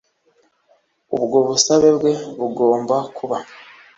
Ubwo busabe bwe bugomba kuba